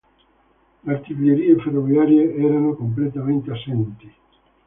Le artiglierie ferroviarie erano completamente assenti.